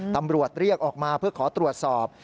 ตำรวจเรียกออกมาเพื่อขอตรวจสอบ